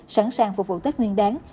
sẵn sàng phục vụ tết nguyên đáng